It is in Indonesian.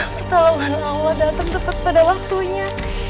pahlawan allah dateng tepat pada waktunya